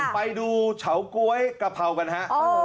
ไปดูเฉาก๊วยกะเพรากันฮะ